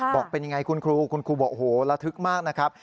บอกเป็นยังไงคุณครูคุณครูบอกโอ้โหระทึกมากนะครับ